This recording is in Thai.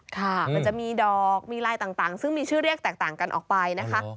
ค่ะมันจะมีดอกมีลายต่างซึ่งมีชื่อเรียกแตกต่างกันออกไปนะคะ